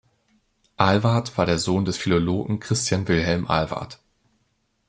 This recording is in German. Ahlwardt war der Sohn des Philologen Christian Wilhelm Ahlwardt.